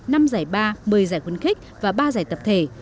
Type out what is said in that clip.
năm giải ba mười giải quân khích và ba giải tập thể